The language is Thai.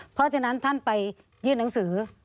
เพราะฉะนั้นท่านไปยื่นหนังสือ